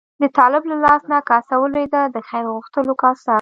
د طالب له لاس نه کاسه ولوېده، د خیر غوښتلو کاسه.